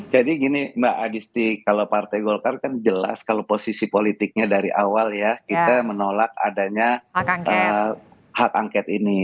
jadi gini mbak adisti kalau partai golkar kan jelas kalau posisi politiknya dari awal ya kita menolak adanya hak angket ini